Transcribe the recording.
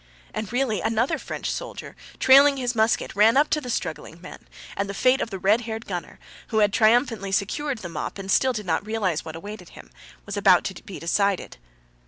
And really another French soldier, trailing his musket, ran up to the struggling men, and the fate of the red haired gunner, who had triumphantly secured the mop and still did not realize what awaited him, was about to be decided.